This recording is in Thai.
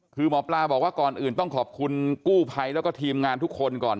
คือหมอปลาบอกว่าก่อนอื่นต้องขอบคุณกู้ภัยแล้วก็ทีมงานทุกคนก่อน